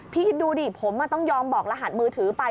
คิดดูดิผมต้องยอมบอกรหัสมือถือไป